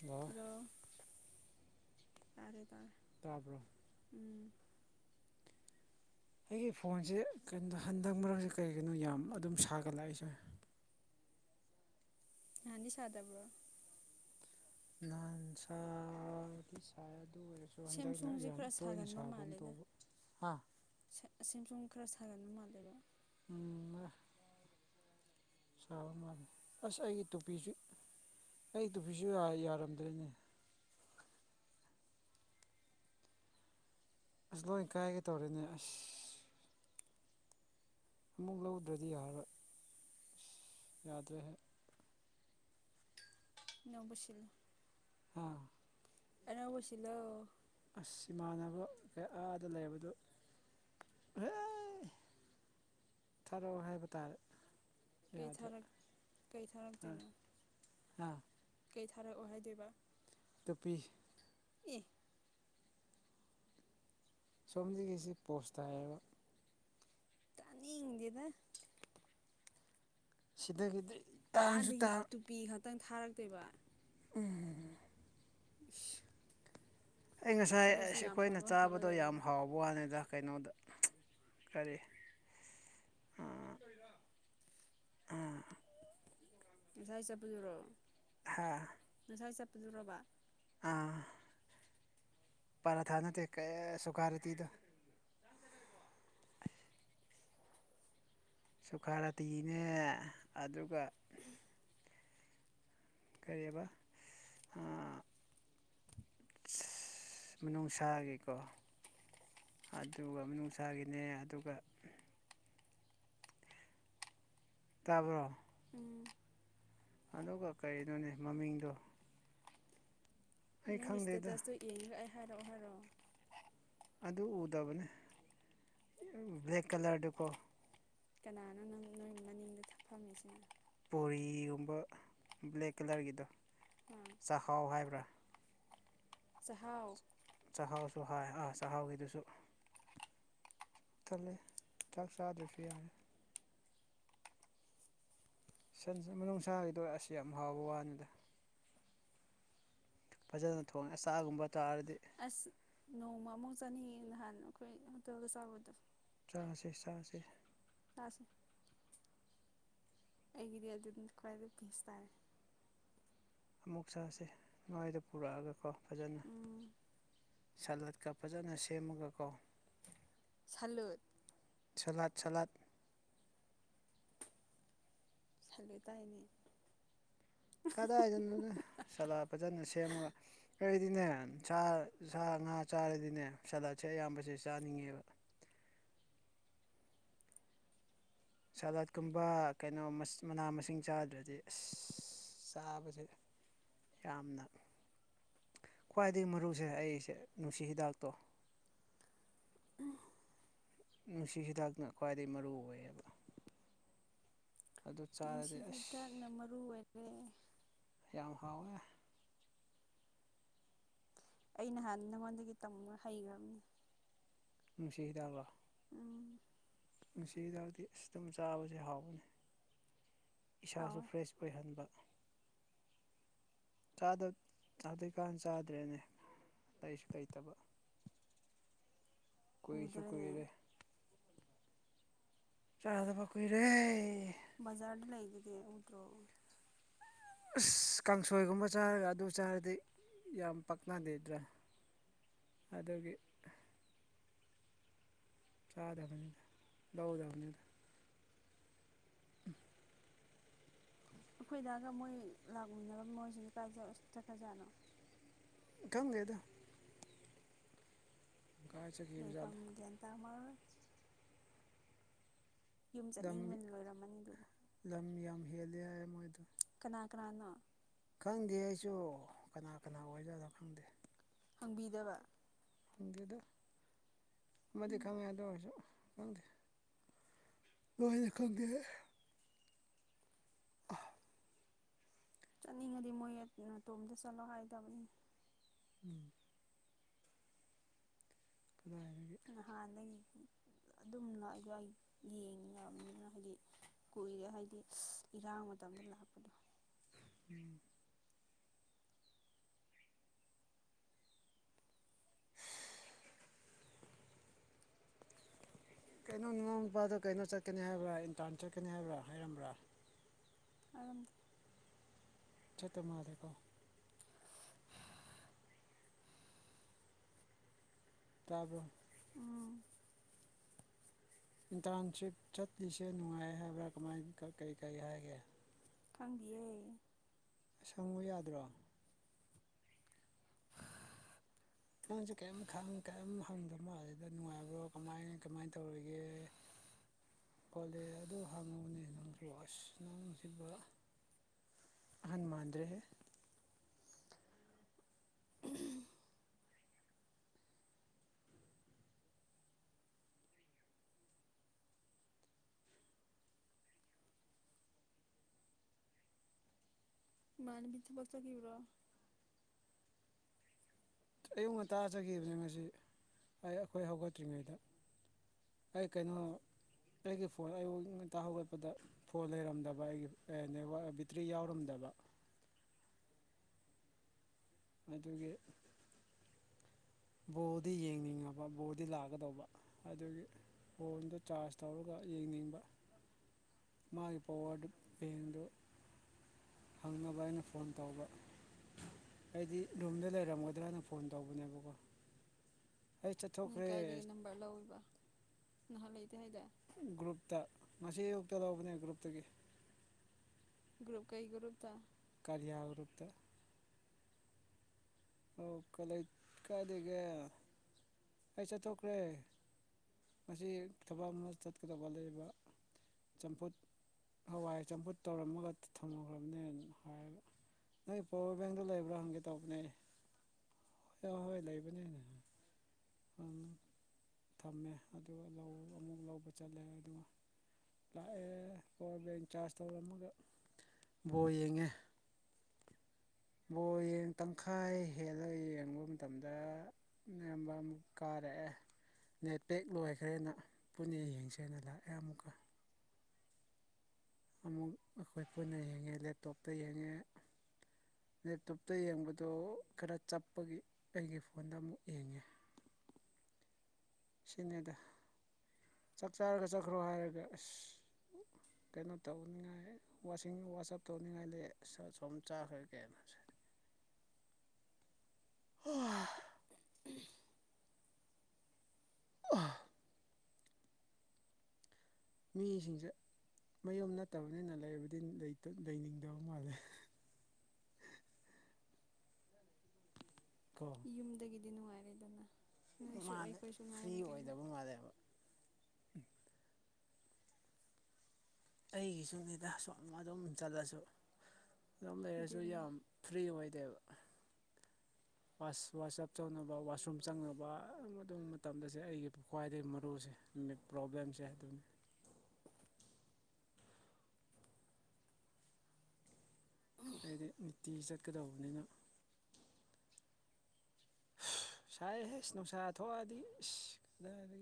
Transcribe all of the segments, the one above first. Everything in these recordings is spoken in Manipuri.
ꯍꯜꯂꯣ ꯍꯜꯂ‌ꫭ ꯇꯥꯔꯦ ꯇꯥꯔ ꯇꯥꯕ꯭ꯔꯣ ꯎꯝ ꯑꯩꯒꯤ ꯐꯣꯟꯁꯦ ꯀꯩꯅꯣ ꯍꯟꯗꯛ ꯃꯔꯝꯁꯦ ꯀꯔꯤꯒꯤꯅꯣ ꯌꯥꯝ ꯑꯗꯨꯝ ꯁꯥꯒꯠꯂꯛꯏꯁ‌ꯦ ꯅꯥꯟꯗꯤ ꯁꯥꯗꯕ꯭ꯔꯣ ꯅꯥꯍꯥꯟꯁ ꯁꯥꯏ ꯑꯗꯨ ꯑꫭꯏꯔꯁꯨ ꯑꯗꫭ ꯍꯟꯗꯛꯅ ꯁꯦꯝꯁꯨꯡꯁꯦ ꯌꯥꯝ ꯈꯔ ꯇꯣꯏꯅ ꯁꯥꯕ ꯑꯝꯃ ꯇꯧꯕ ꯍꯥꯥ ꯑꯁ ꯁꯨꯝ ꯈꯔ [unintelligible] ꯁꯥꯒꯟꯕ ꯃꯥꯜꯂꯦꯕ ꯎꯝ [unintelligible] ꯁꯥꯕ ꯃꯥꯜꯂꯦ ꯑꯁ ꯑꯩꯒꯤ ꯇꯨꯄꯤꯁꯨ ꯑꯩꯒꯤ ꯇꯨꯄꯤꯁꯨ ꯌꯥꯔꯝꯗꯔ‌ꯦꯅꯦ ꯑꯁ ꯂꯣꯏ ꯀꯥꯏꯒꯦ ꯇꯧꯔ‌ꯦꯅꯦ ꯑꯁ ꯑꯃꯨꯛ ꯂꯧꯗ꯭ꯔꯗꯤ ꯌꯥꯔꯔꯣꯏ ꯌꯥꯗ꯭ꯔꯦꯍ‌ꯦ ꯑꯅꯧꯕꯁꯤꯜꯂꯨ ꯍꯥ ꯑꯩꯅꯧꯕꯁꯤꯜꯂꯣ ꯑꯁ ꯏꯃꯥꯟꯅꯕ ꯀꯌꯥ ꯑꯗ ꯂꯩꯕꯗꯨ ꯍꯣꯏ [unintelligible] ꯆꯊꯔꯛꯑꯣ ꯍꯥꯏꯕ ꯇꯥꯔꯦ ꯀꯩ ꯌꯥꯗ꯭ꯔꯦ ꯊꯥꯔꯛ ꯀꯩ ꯑꯥ ꯊꯥꯔꯛꯇꯣꯏꯅꯣ ꯑꯥ ꯀꯩ ꯊꯥꯔꯛꯑꯣ ꯍꯥꯏꯗꯣꯏꯕ ꯇꯨꯄꯤ ꯑꯦ ꯑꯁꯣꯝꯗꯒꯤꯁꯤ ꯄꯣꯁꯇꯥꯏꯌꯦꯕ ꯇꯅꯤꯡꯗ‌ꯦꯗ ꯁꯤꯗꯒꯤꯗꯤ ꯇꯥꯡꯁꯨ ꯑꯥꯗꯒꯤ ꯇꯨꯄꯤ ꯈꯛꯇꯪ ꯊꯥꯔꯛꯇꫭꯏꯕ ꯎꯝ ꯑꯁ ꯑꯩ ꯉꯁꯥꯏ ꯑꯁ ꯌꯥꯝ ꯑꯩꯈꯣꯏꯅ ꯐꯕ ꯐꯕ ꯆꯥꯕꯗꯣ ꯌꯥꯝ ꯂꯩꯕꯅꯤ ꯍꯥꯎꯋ ꯋꯥꯅꯤꯗꯗ ꯀꯩꯅꯣꯗ ꯀꯔꯤ ꯎꯝ ꯉꯁꯥꯏ ꯆꯠꯄꯗꯨꯔꯣ ꯍꯥꯥ ꯉꯁꯥꯏ ꯆꯠꯄꯗꯨꯔꫭꯕ ꯎꯝ ꯄꯔꯥ ꯊꯥ ꯅꯠꯇꯦ ꯀꯩ ꯁꯨꯀꯔꯨꯇꯤꯗꯣ ꯁꯨꯈꯔꯇꯤꯅꯦ ꯑꯗꯨꯒ ꯎꯝ ꯀꯔꯤꯑꯕ ꯑꯥ ꯑꯁ ꯃꯅꯨꯡꯁꯥꯒꯤꯀꯣ ꯑꯗꯨꯒ ꯃꯅꯨꯡꯁꯥꯒꯤꯅꯦ ꯑꯗꯨꯒ ꯇꯥꯕ꯭ꯔꯣ ꯎꯝ ꯑꯗꯨꯒ ꯀꯔꯤꯅꯣꯅꯦ ꯃꯃꯤꯡꯗꯣ ꯑꯩ ꯅꯪꯒꯤ ꯈꯪꯗꯦꯗ ꯏꯁꯇꯦꯇꯁꯇꯣ ꯌꯦꯡꯉꯒ ꯑꯩ ꯍꯥꯏꯔꯛꯑꯣ ꯍꯥꯏꯔꯣ ꯑꯗꯨ ꯎꯗꯕꯅꯦ [unintelligible] ꯕ꯭ꯂꯦꯛ ꯀꯂꯔꯗꯣꯀꯣ ꯀꯅꯥꯅꯣ ꯅꯪ ꯅꯣꯏ ꯃꯅꯤꯡꯗ ꯐꯝꯃꯤꯁꯤꯅ ꯄꯨꯔꯤꯒꯨꯝꯕ ꯕ꯭ꯂꯦꯛ ꯀꯂꯔꯒꯤꯗꯣ ꯑꯥ ꯆꯥꯛꯍꯥꯎ ꯍꯥꯏꯕ꯭ꯔꯥ ꯆꯍꯥꯎ ꯆꯥꯛꯍꯥꯎꯁꯨ ꯍꯥꯏ ꯑ ꯆꯍꯥꯎꯒꯤꯗꯨꯁꯨ ꯄꯨꯛ ꯊꯜꯂꯦ ꯆꯥꯛ ꯆꯥꯗꯔ꯭ꯁꯨ ꯌꯥꯔꯦ ꯁꯟꯁꯦ ꯃꯅꯨꯡꯁꯥꯒꯤꯗꯣ ꯑꯁ ꯌꯥꯝ ꯍꯥꯎꯕ ꯋꯥꯅꯤꯗ ꯐꯖꯅ ꯊꯣꯡꯉꯦ ꯑꯆꯥꯒꯨꯝꯕ ꯇꯥꯔꯗꯤ ꯑꯁ ꯅꯣꯡꯃ ꯑꯃꯨꯛ ꯆꯠꯅꯤꯡꯉꯦ ꯅꯍꯥꯟ ꯑꯩꯈꯣꯏ ꯍꯣꯇꯦꯜꯗ ꯆꯥꯕꯗꯣ ꯆꯥꯁꯦ ꯆꯥꯁꯦ ꯆꯥꯁꯦ ꯑꯩꯒꯤꯗꯤ ꯑꯗꯨꯝ ꯈ꯭ꯋꯥꯏꯗ ꯄꯤꯁ ꯇꯥꯔꯦ ꯑꯃꯨꯛ ꯆꯥꯁꯦ ꯃꯥꯏꯗ ꯄꯨꯔꯛꯑꯒꯀꯣ ꯐꯖꯅ ꯎꯝ ꯁꯥꯂꯠꯀ ꯐꯖꯅ ꯁꯦꯝꯃꯒꯀꯣ ꯁꯂꯨꯠ ꯁꯂꯥꯠ ꯁꯂꯥꯠ ꯁꯂꯨꯠ ꯇꯥꯏꯅꯤ ꯀꯗꯥꯏꯗꯩꯅꯣꯗ ꯁꯂꯥꯠ ꯐꯖꯅ ꯁꯦꯝꯃꯒ ꯑꯩꯈꯣꯏꯗꯤꯅꯦ ꯁꯥ ꯁꯥꯉꯥ ꯆꯥꯔꯗꯤꯅꯦ ꯁꯂꯥꯠꯁꯦ ꯑꯌꯥꯝꯕꯁꯦ ꯆꯥꯅꯤꯡꯉꯦꯕ ꯁꯂꯥꯠꯀꯨꯝꯕ ꯀꯩꯅꯣ ꯃꯁ ꯃꯅꯥ ꯃꯁꯤꯡ ꯆꯥꯗ꯭ꯔꯗꯤ ꯑꯁ ꯆꯥꯕꯁꯨ ꯌꯥꯝꯅ ꯈ꯭ꯋꯥꯏꯗꯒꯤ ꯃꯔꯨꯁꯦ ꯑꯩꯁꯦ ꯅꯨꯡꯁꯤ ꯍꯤꯗꯥꯛꯇꯣ ꯎꯝꯍ ꯅꯨꯡꯁꯤ ꯍꯤꯗꯥꯛꯅ ꯈ꯭ꯋꯥꯏꯗꯒꯤ ꯃꯔꯨ ꯑꯣꯏꯌꯦꯗ ꯅꯨꯡꯁꯤ ꯑꯁ ꯍꯤꯗꯥꯛꯅ ꯃꯔꯨ ꯑꯣꯏꯈ꯭ꯔꯦꯅꯦ ꯌꯥꯝ ꯍꯥꯎꯅꯦꯍ ꯑꯩ ꯅꯍꯥꯟ ꯅꯪꯉꯣꯟꯗꯒꯤ ꯇꯝꯔ ꯍꯩꯒ꯭ꯔꯝꯅꯤ ꯅꯨꯡꯁꯤ ꯍꯤꯗꯥꯛꯂꯣ ꯎꯝ ꯅꯨꯡꯁꯤ ꯍꯨꯗꯥꯛꯇꯤ ꯑꯁ ꯇꯨꯝ ꯆꯥꯕꯁꯦ ꯍꯥꯎꯕꯅꯤ ꯍꯥꯎꯋꯦ ꯏꯁꯥꯁꯨ ꯐꯔ꯭ꯦꯁ ꯑꯣꯏꯍꯟꯕ ꯆꯥꯗꯕ ꯍꯧꯖꯤꯛꯀꯥꯟ ꯆꯥꯗ꯭ꯔꯦꯅꯦ ꯂꯩꯁꯨ ꯂꯩꯩꯇꯕ ꯀꯣꯏꯁꯨ ꯎꯗ꯭ꯔꯅꯦ ꯀꯨꯏꯔꯦ ꯆꯥꯗꯕ ꯀꯨꯏꯔꯦ ꯕꯖꯥꯔꯗ ꯂꯩꯗꯨꯗꯤ ꯎꯗ꯭ꯔꯣ ꯑꯁ ꯀꯥꯡꯁꯣꯏꯒꯨꯝꯕ ꯆꯥꯔꯒ ꯑꯗꯨ ꯆꯥꯔꯗꯤ ꯌꯥꯝ ꯄꯛꯅꯗꯦꯗ꯭ꯔꯥ ꯑꯗꯒꯤ ꯆꯥꯗꯕꯅꯤꯗ ꯂꯧꯗꯕꯅꯤꯗ ꯑꯩꯈꯣꯏꯗꯥꯒ ꯃꯣꯏ ꯂꯥꯛꯃꯤꯟꯅꯕ ꯃꯣꯏꯁꯤꯡꯖꯦ ꯀꯥꯏ ꯆꯠ ꯆꯠꯈ꯭ꯔꯖꯥꯠꯅꯣ ꯈꯪꯗꯦꯗꯥ ꯀꯥꯏ ꯂꯩꯐꯝ ꯆꯠꯈꯤꯕꯖꯥꯠꯂ ꯒ꯭ꯌꯥꯟ ꯇꯥꯃꯔꯣꯏ ꯌꯨꯝ ꯂꯝ ꯆꯠꯅꯤꯡꯕꯅ ꯂꯣꯏꯔꯝꯃꯅꯤ ꯑꯗꯨꯕꯨ ꯂꯝ ꯌꯥꯝ ꯍꯦꯜꯂꯦ ꯍꯥꯏꯌꯦ ꯃꯣꯏꯗꯣ ꯀꯅꯥ ꯀꯅꯥꯅꯣ ꯈꯪꯗꯦ ꯑꯩꯁꯨ ꯀꯅꯥ ꯀꯅꯥ ꯑꯣꯏꯖꯥꯠꯅꯣ ꯈꯪꯗꯦ ꯍꯪꯕꯤꯗꯕ ꯐꯪꯗꯦꯗ ꯑꯃꯗꯤ ꯎꯝ ꯈꯪꯉꯦ ꯑꯗꯨ ꯑꯣꯏꯔꯁꯨ ꯈꯪꯗꯦ ꯂꯣꯏꯅ ꯈꯪꯗꯦ ꯑꯩ ꯆꯠꯅꯤꯡꯉꯗꯤ ꯃꯣꯏ ꯑ ꯅꯇꯣꯝꯇ ꯆꯠꯂꯣ ꯍꯥꯏꯗꯎꯕꯅꯤ ꯎꯝ [unintelligible] ꯅꯍꯥꯟꯗꯒꯤ ꯑꯗꯨꯝ [unintelligible] ꯌꯦꯡꯉꯕꯅꯤꯅ ꯍꯥꯏꯗꯤ ꯀꯨꯏꯔꯦ ꯍꯥꯏꯗꯤ ꯏꯔꯥꯡ ꯃꯇꯝꯗ ꯂꯥꯛꯄꯗꯣ ꯎꯝ ꯀꯩꯅꯣ ꯅꯅꯥꯎ ꯅꯨꯄꯥꯗꯣ ꯀꯩꯅꯣ ꯆꯠꯀꯅꯤ ꯍꯥꯏꯕ꯭ꯔꯥ ꯏꯟꯇꯔꯟ ꯆꯠꯀꯅꯤ ꯍꯥꯏꯕ꯭ꯔꯥ ꯍꯥꯏꯔꯝꯕ꯭ꯔꯥ ꯍꯥꯏꯔꯝꯗꯦ ꯆꯠꯇ ꯃꯥꯜꯂꯦꯀꯣ ꯇꯥꯕ꯭ꯔꯣ ꯎꯝ ꯏꯟꯇꯔꯟꯁꯤꯞ ꯆꯠꯂꯤꯁꯦ ꯅꯨꯡꯉꯥꯏ ꯍꯥꯏꯕ꯭ꯔꯥ ꯀꯃꯥꯏꯅ ꯀ ꯀꯔꯤ ꯀꯔꯤ ꯍꯥꯏꯒꯦ ꯈꯪꯗꯤꯌꯦ ꯁꯪꯉꯨ ꯌꯥꯗ꯭ꯔꯣ ꯅꯪꯖꯨ ꯀꯦꯝ ꯈꯪ ꯀꯦꯝ ꯍꯪꯗ ꯃꯥꯜꯂꯦꯗ ꯅꯨꯡꯉꯥꯏꯕ꯭ꯔꯣ ꯀꯃꯥꯏ ꯀꯃꯥꯏ ꯇꯧꯔꯒꯦ ꯀꯣꯂꯦ ꯑꯗꯨ ꯍꯪꯉꯣꯅꯦ ꯅꯪꯒ꯭ꯂꯨ ꯑꯁ ꯅꯪꯁꯤꯕ ꯑꯍꯟ ꯃꯥꯥꯟꯗ꯭ꯔꯦ ꯍꯦ ꯏꯃꯥꯟꯅꯕꯤ ꯊꯕꯛ ꯆꯠꯀꯤꯕ꯭ꯔꯣ ꯑꯌꯨꯛ ꯉꯟꯇꯥꯥ ꯆꯠꯈꯤꯕꯅꯦ ꯉꯁꯤ ꯑꯩ ꯑꯩꯈꯣꯏ ꯍꯧꯒꯠꯇ꯭ꯔꯤꯉꯩꯗ ꯑꯩ ꯀꯩꯅꯣ ꯑꯩꯒꯤ ꯐꯣꯟ ꯑꯩꯌꯨꯛ ꯉꯟꯇꯥ ꯍꯧꯒꯠꯄꯗ ꯐꯣꯟ ꯂꯩꯔꯝꯗꯕ ꯑꯩꯒꯤ ꯑꯦ ꯅꯦꯠꯋꯥꯛ ꯕꯦꯇ꯭ꯔꯤ ꯌꯥꯎꯔꯝꯗꯕ ꯑꯗꯨꯒꯤ ꯕꯣꯜꯗꯤ ꯌꯦꯡꯅꯤꯡꯉꯕ ꯕꯣꯔꯗꯤ ꯂꯥꯛꯀꯗꯧꯕ ꯑꯗꯨꯒꯤ ꯐꯣꯟꯗꯣ ꯆꯥꯔꯖ ꯇꯧꯔꯒ ꯌꯦꯡꯅꯤꯡꯕ ꯃꯥꯒꯤ ꯄꯥꯋꯥꯔꯗꯨ ꯕꯦꯡꯗꯣ ꯍꯪꯉꯕ ꯑꯩꯅ ꯐꯣꯟ ꯇꯧꯕ ꯑꯩꯗꯤ ꯔꯨꯝꯗ ꯂꯩꯔꯝꯒꯗ꯭ꯔꯅ ꯐꯣꯟ ꯇꯧꯕꯅꯦꯕꯀꯣ ꯑꯩ ꯅꯪ ꯆꯠꯊꯣꯛꯈ꯭ꯔꯦ ꯀꯥꯏꯗꯒꯤ ꯅꯝꯕꯔ ꯂꯧꯏꯕ ꯅꯍꯥꯟ ꯂꯩꯇꯦ ꯍꯥꯏꯗꯥꯏ ꯒ꯭ꯔꯨꯞꯇ ꯉꯁꯤ ꯑꯩꯌꯨꯛꯇ ꯂꯧꯕꯅꯦ ꯒ꯭ꯔꯨꯞꯇꯒꯤ ꯒ꯭ꯔꯨꯨꯞ ꯀꯩ ꯒ꯭ꯔꯨꯨꯞꯇ ꯀꯥꯔꯤꯌꯥ ꯒ꯭ꯔꯨꯞꯇ ꯑꯣ [unintelligible] ꯀꯥꯏ ꯂꯩꯒꯦ ꯑꯩ ꯆꯠꯊꯣꯛꯈ꯭ꯔꯦ ꯉꯁꯤ ꯊꯕꯛ ꯑꯃ ꯆꯠꯀꯗꯕ ꯂꯩꯕ ꯆꯝꯐꯨꯠ ꯍꯋꯥꯏ ꯆꯝꯐꯨꯠ ꯇꯧꯔꯝꯃꯒ ꯊꯝꯃꯨꯈ꯭ꯔꯕꯅꯦ ꯍꯥꯏꯔꯒ ꯅꯪꯏ ꯄꯋꯥꯔ ꯕꯦꯡꯗꯣ ꯂꯩꯕ꯭ꯔꯥ ꯍꯪꯒꯦ ꯇꯧꯕꯅꯦ ꯑ ꯍꯣꯏ ꯂꯩꯕꯅꯦꯅꯦ ꯑꯪ ꯊꯝꯃꯦ ꯑꯗꯨꯒ ꯂꯧ ꯑꯃꯨꯛ ꯂꯧꯕ ꯆꯠꯂꯦ ꯑꯗꯨꯒ ꯂꯥꯛꯑꯦ ꯄꯋꯥꯔ ꯕꯦꯡ ꯆꯥꯔꯖ ꯇꯧꯔꯝꯃꯒ ꯕꯣꯜ ꯌꯦꯡꯉꯦ ꯕꯣꯜ ꯌꯦꯡ ꯇꯪꯈꯥꯏ ꯍꯦꯜꯂꯒ ꯌꯦꯡꯕ ꯃꯇꯝꯗ ꯅꯦꯝꯕꯝꯃꯨꯛ ꯀꯥꯔꯦꯍꯦ ꯅꯦꯠꯄꯦꯛ ꯂꯣꯏꯈ꯭ꯔꯦꯅ ꯄꯨꯟꯅ ꯌꯦꯡꯁꯦꯅ ꯂꯥꯛꯑꯦ ꯑꯃꯨꯛꯀ ꯑꯃꯨꯛ ꯑꯩꯈꯣꯏ ꯄꯨꯟꯅ ꯌꯦꯡꯉꯦ ꯂꯦꯞꯇꯣꯞꯇ ꯌꯦꯡꯉꯦ ꯂꯦꯞꯇꯣꯞꯇ ꯌꯦꯡꯕꯗꯣ ꯈꯔ ꯆꯞꯄꯒꯤ ꯑꯩꯒꯤ ꯐꯣꯟꯗ ꯑꯃꯨꯛ ꯌꯦꯡꯉꯦ ꯁꯤꯅꯦꯗ ꯆꯥꯛ ꯆꯥꯔꯒ ꯆꯠꯈ꯭ꯔꯣ ꯍꯥꯏꯔꯒ ꯑꯁ ꯀꯩꯅꯣ ꯇꯧꯅꯤꯡꯉꯥꯏ ꯋꯥꯁꯤꯡ ꯋꯥꯁꯑꯞ ꯇꯧꯅꯤꯡꯉꯥꯏ ꯂꯩ ꯑꯁ ꯑꯁꯣꯝ ꯆꯥꯈ꯭ꯔꯀꯦꯅ [unintelligible] [unintelligible] ꯃꯤꯁꯤꯡꯁꯦ ꯃꯌꯨꯝ ꯅꯠꯇꯕꯅꯤꯅ ꯂꯩꯕꯗꯤ ꯂꯩꯇ ꯂꯩꯅꯤꯡꯗꯕ ꯃꯥꯜꯂꯦ ꯑꯣ ꯌꯨꯝꯗꯒꯤꯗꯤ ꯅꯨꯡꯉꯥꯏꯔꯦꯗꯅ ꯅꯣꯏꯁꯨ ꯃꯥꯅꯦ ꯑꯩꯈꯣꯏꯁꯨ ꯐ꯭ꯔꯤ ꯉꯥꯏꯔꯦ ꯀꯩꯅꯣ ꯑꯣꯏꯗꯕ ꯃꯥꯜꯂꯦꯕ ꯑꯩꯒꯤꯁꯨ ꯂꯤꯗ ꯁ ꯑꯗꯨꯝ ꯆꯠꯂꯁꯨ ꯑꯗꯨꯝ ꯂꯩꯔꯁꯨ ꯑꯗꯨꯅꯤ ꯌꯥꯝ ꯐ꯭ꯔꯤ ꯑꯣꯏꯗꯦꯕ [inaudible] [inaudible] [inaudible] ꯍꯥꯏꯗꯤ ꯅꯨꯡꯇꯤ ꯆꯠꯀꯗꯧꯕꯅꯤꯅ ꯁꯥꯏꯍ‌ꯦ ꯅꯨꯡꯁꯥ ꯊꯣꯛꯑꯗꯤ ꯏꯁ ꯎꯝ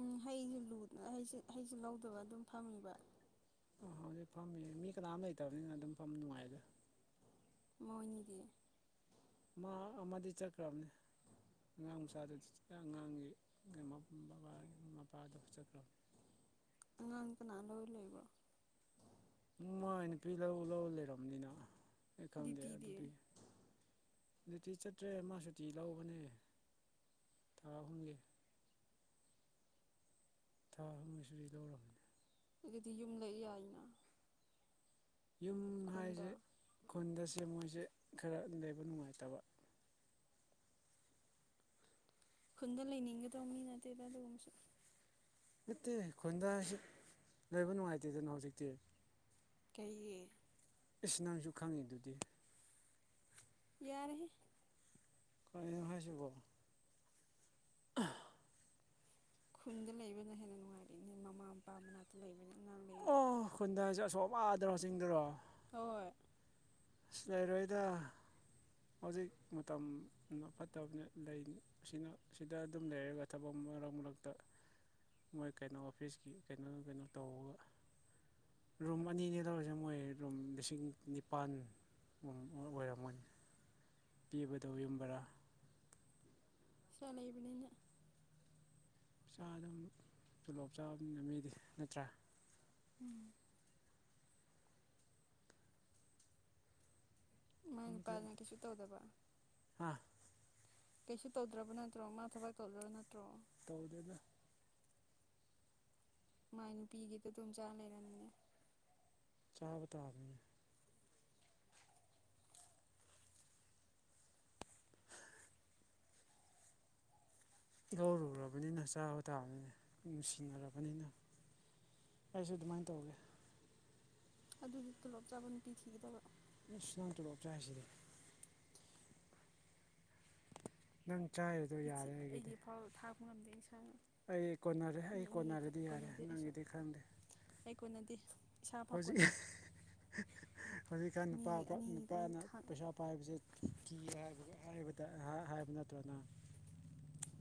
ꯎꯝ ꯍꯩꯁꯨꯨꯅ ꯍꯩꯁꯨ ꯂꯧꯗꯕ ꯑꯗꯨꯝ ꯐꯝꯃꯤꯕ ꯑꯣ ꯍꯧꯖꯤꯛ ꯐꯝꯃꯤꯌꯦ ꯃꯤ ꯀꯅꯥꯝ ꯂꯩꯇꯕꯅꯤꯅ ꯑꯗꯨꯝ ꯐꯝ ꯅꯨꯡꯉꯥꯏꯗ ꯃꯣꯏꯅꯤꯗꯤ ꯃꯥ ꯑꯃꯗꯤ ꯆꯠꯈ꯭ꯔꯕꯅꯦ ꯑꯉꯥꯡ ꯃꯆꯥꯗꯨ ꯑꯉꯥꯡꯒꯤ ꯃꯄꯥꯗꯨ ꯆꯠꯈ꯭ꯔꯕꯅ‌ꯦ ꯑꯉꯥꯡ ꯀꯅꯥ ꯂꯣꯏ ꯂꯩꯕ꯭ꯔꯣ ꯃꯥꯏ ꯅꯨꯄꯤ ꯂꯧ ꯂꯧ ꯂꯩꯔꯝꯅꯤꯅ ꯑꯩ ꯈꯪꯗꯦ ꯗ꯭ꯌꯨꯇꯤꯗꯤ ꯑꯗꯨꯗꯤ ꯅꯨꯡꯇꯤ ꯆꯠꯇ꯭ꯔꯦ ꯃꯥ ꯁꯨꯇꯤ ꯂꯧꯕꯅꯦ ꯊꯥ ꯑꯍꯨꯝꯒꯤ ꯊꯥ ꯑꯍꯨꯝ ꯁꯨꯇꯤ ꯂꯩꯔꯕ‌‌ꯅ‌ꯦ ꯑꯗꯨꯗꯤ ꯌꯨꯝ ꯂꯩ ꯌꯥꯏꯅ ꯌꯨꯝ ꯈꯨꯟꯗ ꯍꯥꯏꯁꯦ ꯈꯨꯟꯗꯁꯦ ꯃꯣꯏꯁꯦ ꯈꯔ ꯂꯩꯕ ꯅꯨꯡꯉꯥꯏꯇꯕ ꯈꯨꯟꯗ ꯂꯩꯅꯤꯡꯒꯗꯕ ꯃꯤ ꯅꯠꯇꯦꯗ ꯑꯗꯨꯒꯨꯝꯕꯁꯨ ꯅꯠꯇꯦ ꯈꯨꯟꯗꯥꯁꯤ ꯂꯩꯕ ꯅꯨꯡꯉꯥꯏꯇꯦꯗꯅ ꯍꯧꯖꯤꯛꯇꯤ ꯀꯩꯒꯤ ꯏꯁ ꯅꯪꯁꯨ ꯈꯪꯉꯤ ꯗꯨꯗꯤ ꯌꯥꯔꯦꯍ‌ꯦ ꯀꯩꯅ‌ꯣ ꯍꯥꯏꯁꯤꯕꯣ ꯑ ꯈꯨꯟꯗ ꯂꯩꯕꯅ ꯍꯦꯟꯅ ꯅꯨꯡꯉꯥꯏꯔꯤꯅꯦ ꯃꯃꯥ ꯃꯄꯥ ꯃꯅꯥꯛꯇ ꯂꯩꯕꯅꯤ ꯑꯉꯥꯡꯂꯩꯔꯗꯤ ꯑꯣ ꯈꯨꯟꯗ ꯍꯥꯏꯁꯤ ꯑꯁꯣꯝ ꯑꯥꯗꯔ‌ꯣ ꯆꯤꯡꯗꯔꯣ ꯍꯣꯏ ꯑꯁ ꯂꯩꯔꯣꯏꯗ ꯍꯧꯖꯤꯛ ꯃꯇꯝ ꯐꯠꯇꯕꯅ‌ꯦ ꯂꯩꯅꯤ ꯑꯁꯤꯅ ꯁꯤꯗ ꯑꯗꯨꯝ ꯂꯩꯔꯒ ꯊꯕꯛ ꯃꯔꯛ ꯃꯔꯛꯇ ꯃꯣꯏ ꯀꯩꯅꯣ ꯑꯣꯐꯤꯁꯀꯤ ꯀꯩꯅꯣ ꯀꯩꯅꯣ ꯇꯔꯒ ꯔꯨꯝ ꯑꯅꯤꯅꯤ ꯂꯧꯔꯤꯁꯦ ꯃꯣꯏ ꯔꯨꯝ ꯂꯤꯁꯤꯡ ꯅꯤꯄꯥꯟ ꯑꯣꯏꯔꯝꯃꯅꯤ ꯄꯤꯕꯗꯣ ꯌꯨꯝꯕꯔꯥ ꯁꯤꯔꯥ ꯂꯩꯕꯅꯤꯅ ꯆꯥ ꯑꯗꯨꯝ ꯇꯣꯂꯣꯞ ꯆꯥꯕ ꯅꯤꯅ ꯃꯤꯗꯤ ꯅꯠꯇ꯭ꯔꯥ ꯎꯝ ꯃꯥꯏ ꯅꯨꯄꯥꯅ ꯀꯩꯁꯨ ꯇꯧꯗꯕ ꯑ ꯀꯩꯁꯨ ꯇꯧꯗ꯭ꯔꯕ ꯅꯠꯇ꯭ꯔꯣ ꯃꯥ ꯊꯕꯛ ꯇꯧꯗ꯭ꯔꯕ ꯅꯠꯇ꯭ꯔꯣ ꯇꯧꯗ‌ꯦꯗ ꯃꯥꯏ ꯅꯨꯄꯤꯒꯤꯗ ꯑꯗꯨꯝ ꯆꯥꯥ ꯂꯩꯔꯝꯅꯤꯅꯦ ꯆꯥꯕꯇꯥꯕꯅꯤꯅ‌ꯦ ꯂꯧꯔꯨꯔꯕꯅꯤꯅ ꯆꯥꯕ ꯇꯥꯕꯅꯤꯅ‌ꯦ ꯅꯨꯡꯁꯤꯅꯔꯕꯅꯤꯅ ꯑꯩꯁꯨ ꯑꯗꯨꯃꯥꯏꯅ ꯇꯧꯔꯒꯦ ꯑꯗꯨꯗꯤ ꯇꯣꯂꯣꯞ ꯆꯥꯕ ꯅꯨꯄꯤ ꯊꯤꯒꯗꯕ ꯑꯁ ꯅꯪ ꯇꯂꯣꯞ ꯆꯥꯏ ꯁꯤꯗꯤ ꯅꯪ ꯆꯥꯏꯗꯨ ꯑꯩꯒꯤ ꯐꯥꯎ ꯊꯥꯛꯄ ꯉꯝꯗꯦ ꯏꯁꯥꯅ ꯑꯩ ꯀꯣꯟꯅꯔꯦ ꯃꯤ ꯑꯩ ꯑꯅꯤꯒꯤ ꯀꯣꯟꯅꯔꯗꯤ ꯌꯥꯔꯦ ꯀꯣꯟꯅꯗꯦ ꯑꯩꯁꯨ ꯅꯪꯒꯤꯗꯤ ꯈꯪꯗꯦ ꯑꯩ ꯀꫭꯟꯅꯗ‌ꯦ ꯍꯧꯖꯤꯛ ꯍꯧꯖꯤꯛꯀꯥꯟ ꯅꯨꯄꯥ ꯃꯤꯒꯤ ꯑꯅꯤꯒꯤꯗ ꯑꯩ ꯅꯨꯄꯥꯅ ꯈꯥꯡ ꯄꯩꯁꯥ ꯄꯥꯏꯕꯁꯦ ꯀꯤ ꯍꯥꯏꯕ ꯍꯥꯏꯕꯗ ꯍꯥꯏꯕ ꯅꯠꯇ꯭ꯔꯅ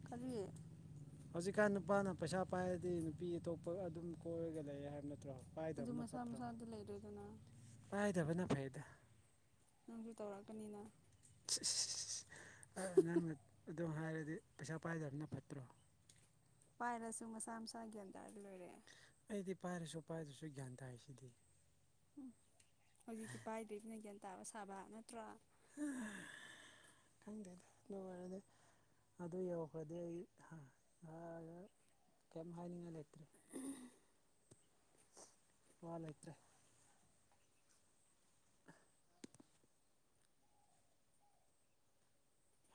ꯀꯔꯤ ꯍꯧꯖꯤꯛꯀꯥꯟ ꯅꯨꯄꯥꯅ ꯄꯩꯁꯥ ꯄꯥꯏꯔꯗꯤ ꯅꯨꯄꯤ ꯑꯇꯣꯞꯄ ꯑꯗꯨꯝ ꯀꯣꯏꯔꯒ ꯂꯩꯔ ꯍꯥꯏꯕ ꯅꯠꯇ꯭ꯔꯣ ꯑꯗꯨ ꯃꯁꯥ ꯃꯁꯥꯗꯨ ꯂꯩꯔ‌ꯦꯗꯅ ꯐꯥꯏꯗꯕꯅ ꯐꯩꯗ ꯅꯪꯁꯨ ꯇꯧꯔꯛꯀꯅꯤꯅ ꯅꯪꯅ ꯑꯗꯨ ꯍꯥꯏꯔꯗꯤ ꯄꯩꯁꯥ ꯄꯥꯏꯗꯕꯅ ꯐꯠꯇ꯭ꯔꯣ ꯄꯥꯏꯔꯁꯨ ꯃꯁꯥ ꯃꯁꯥ ꯒ꯭ꯌꯥꯟ ꯇꯥꯔꯒ ꯂꯣꯏꯔ‌ꯦ ꯑꯩꯗꯤ ꯄꯥꯏꯔꯁꯨ ꯄꯥꯏꯔꯁꯨ ꯒ꯭ꯌꯥꯟ ꯇꯥꯏ ꯁꯤꯗꯤ ꯎꯝ ꯍꯧꯖꯤꯛꯇꯤ ꯄꯥꯏꯗ꯭ꯔꯤꯕꯅ ꯒ꯭ꯌꯥꯟ ꯇꯥꯕ ꯁꯥꯕ ꯅꯠꯇ꯭ꯔꯥ ꯑ ꯈꯪꯗꯦꯗ ꯂꫭꯏꯔꯒ‌ꯦ ꯑꯗꯨ ꯌꯧꯈ꯭ꯔꯗꯤ ꯑꯩ ꯍꯥ ꯍꯥꯏꯔ ꯀꯩꯌꯤꯝ ꯍꯥꯏꯅꯤꯡꯉꯥꯏ ꯂꯩꯇ꯭ꯔꯦ ꯎꯝ ꯋꯥ ꯂꯩꯇ꯭ꯔꯦ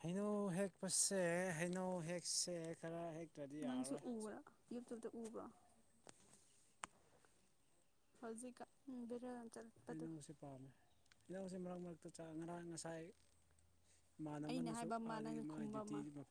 ꯍꯩꯅꯧ ꯍꯦꯛꯄꯁꯦ ꯍꯩꯅꯧ ꯍꯦꯛꯁꯦ ꯈꯔ ꯍꯦꯛ ꯅꯪꯁꯨ ꯎꯕ꯭ꯔꯥ ꯌꯨꯠꯇꯨꯞꯇ ꯎꯕ꯭ꯔꯣ ꯍꯧꯖꯤꯛꯀ ꯎꯝ ꯕꯤꯔꯆꯜ ꯏꯅꯥꯎꯁꯤ ꯄꯥꯝꯃꯦ ꯏꯅꯥꯎꯁꯤ ꯃꯔꯛ ꯃꯔꯛꯇ ꯆꯥꯡ ꯉꯔꯥꯡ ꯉꯁꯥꯏ ꯏꯃꯥꯟꯅ ꯑꯩꯅ ꯕꯅꯁꯨ ꯍꯥꯏꯕ ꯑꯃ ꯑꯥꯗꯒꯤ ꯅꯪꯅ ꯃꯥꯒꯤ ꯈꯨꯝꯕ ꯗ꯭ꯌꯨꯇꯤ ꯑꯃ ꯕꯧ